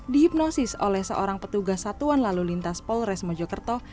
dihipnosis oleh seorang petugas satuan lalu lintas polres mojokerto